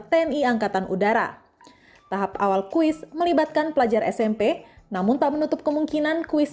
tni angkatan udara tahap awal kuis melibatkan pelajar smp namun tak menutup kemungkinan kuis